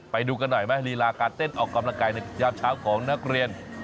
ไปดูกันหน่อยไหมลีลาการเต้นออกกำลังกายในยามเช้าของนักเรียน